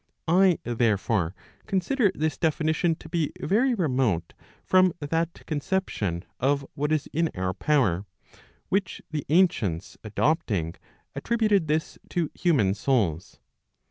I, therefore, consider this definition to be very remote from that conception of what is in our power, which the ancients adopting, attributed this to human souls.